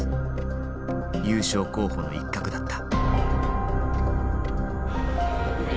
優勝候補の一角だった。